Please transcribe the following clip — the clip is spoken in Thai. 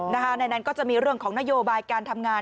ในนั้นก็จะมีเรื่องของนโยบายการทำงาน